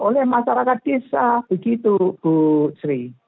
oleh masyarakat desa begitu bu sri